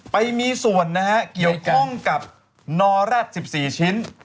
ไปมีส่วนนะฮะเกี่ยวข้องกับนอแร็ด๑๔ชิ้น